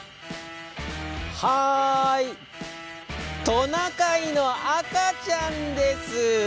トナカイの赤ちゃんです。